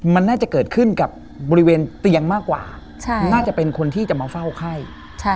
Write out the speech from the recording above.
มันน่าจะเกิดขึ้นกับบริเวณเตียงมากกว่าใช่น่าจะเป็นคนที่จะมาเฝ้าไข้ใช่